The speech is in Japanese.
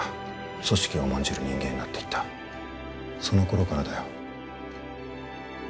組織を重んじる人間になっていったその頃からだよ